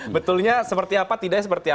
betulnya seperti apa tidaknya seperti apa